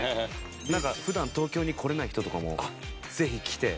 なんか普段東京に来れない人とかもぜひ来て。